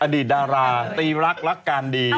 อดีตดาราตีรักรักการดี